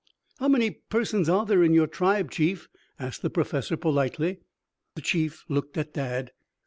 "How many persons are there in your tribe, chief?" asked the Professor politely. The chief looked at Dad.